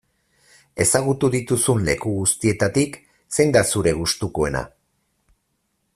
Ezagutu dituzun leku guztietatik zein da zure gustukoena?